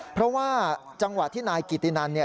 เพราะว่าจังหวะที่นายกิตตินัน